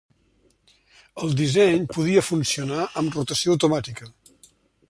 El disseny podia funcionar amb rotació automàtica.